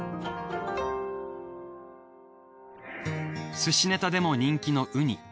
すしネタでも人気のウニ。